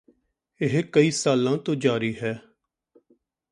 ਇਹ ਕਈ ਸਾਲਾਂ ਤੋਂ ਜਾਰੀ ਹੈ